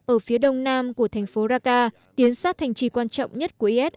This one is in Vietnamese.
ở phía đông nam của thành phố raka tiến sát thành trì quan trọng nhất của is